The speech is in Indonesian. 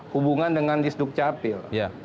hubungan dengan listrik capil